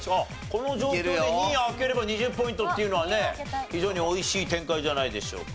この状況で２位を開ければ２０ポイントっていうのはね非常においしい展開じゃないでしょうか。